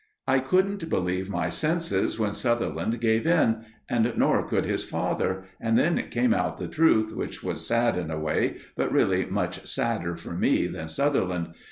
I couldn't believe my senses when Sutherland gave in, and more could his father, and then came out the truth, which was sad in a way, but really much sadder for me than Sutherland.